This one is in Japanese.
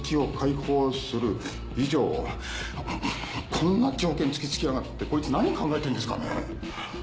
こんな条件突きつけやがってこいつ何考えてるんですかね。